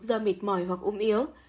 do mệt mỏi hoặc ung yếu